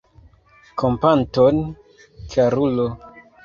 Kompaton, karulo!